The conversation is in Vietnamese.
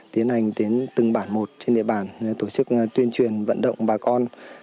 tiến hành từng bản một trên địa bản tổ chức tuyên truyền vận động bà con